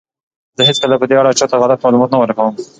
زه هیڅکله په دې اړه چاته غلط معلومات نه ورکوم.